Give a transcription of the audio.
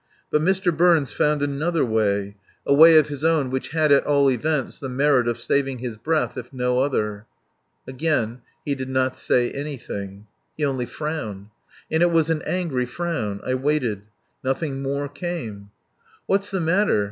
But Mr. Burns found another way, a way of his own which had, at all events, the merit of saving his breath, if no other. Again he did not say anything. He only frowned. And it was an angry frown. I waited. Nothing more came. "What's the matter? ..